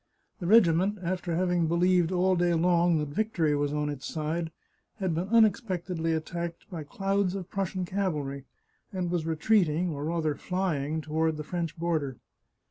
The regiment, after having believed all day long that victory was on its side, had been unexpectedly attacked by clouds of Prussian cavalry, and was retreating, or rather flying, to ward the French border.